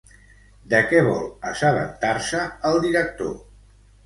De què vol assabentar-se el director?